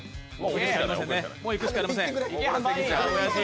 もういくしかありません。